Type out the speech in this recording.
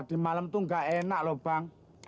di malam itu gak enak loh bang